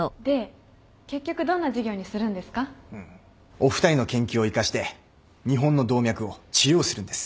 お二人の研究を生かして日本の動脈を治療するんです。